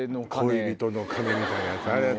恋人の鐘みたいなやつ。